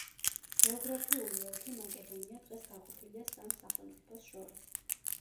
გეოგრაფიული ოლქი მაკედონია დღეს გაყოფილია სამ სახელმწიფოს შორის.